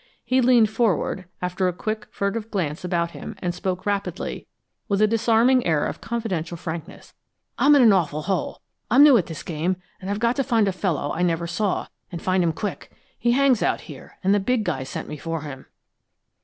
He leaned forward, after a quick, furtive glance about him, and spoke rapidly, with a disarming air of confidential frankness. "I'm in an awful hole. I'm new at this game, and I've got to find a fellow I never saw, and find him quick. He hangs out here, and the big guy sent me for him."